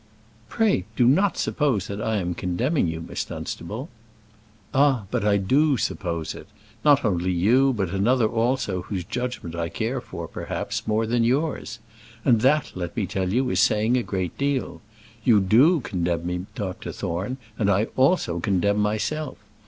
"Pray, do not suppose that I am condemning you, Miss Dunstable." "Ah, but I do suppose it. Not only you, but another also, whose judgment I care for perhaps more than yours; and that, let me tell you, is saying a great deal. You do condemn me, Dr. Thorne, and I also condemn myself.